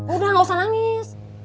udah gak usah nangis